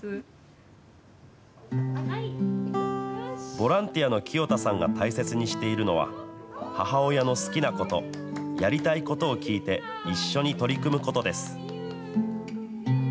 ボランティアの清田さんが大切にしているのは、母親の好きなこと、やりたいことを聞いて、一緒に取り組むことです。